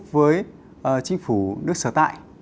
với chính phủ nước sở tại